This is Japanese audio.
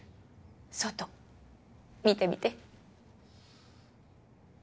外見てみて。